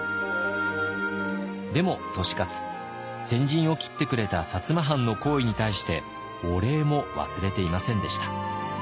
でも利勝先陣を切ってくれた摩藩の厚意に対してお礼も忘れていませんでした。